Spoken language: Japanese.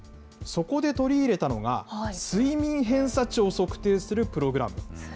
そこで取り入れたのが、睡眠偏差値を測定するプログラムです。